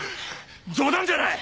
冗談じゃない！